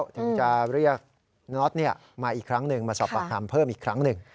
ถึงจะเรียกน็อตมาอีกครั้งหนึ่งมาสอบปากคำเพิ่มอีกครั้งหนึ่ง